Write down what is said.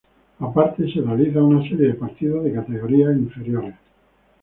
Aparte se realizan una serie de partidos de categorías inferiores.